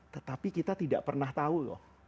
tetapi kita tidak pernah tahu loh